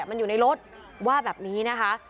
มันอยู่ในรถว่าแบบนี้นะคะ